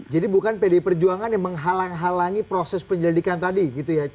jadi bukan pd perjuangan yang menghalangi proses penyelidikan tadi gitu ya